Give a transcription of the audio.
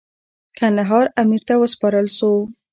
کندهار امیر ته وسپارل سو.